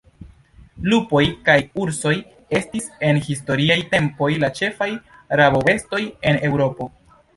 Lupoj kaj ursoj estis en historiaj tempoj la ĉefaj rabobestoj en Eŭropo.